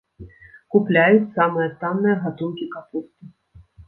Купляюць самыя танныя гатункі капусты.